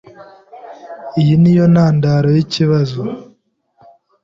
Iyi niyo ntandaro yikibazo.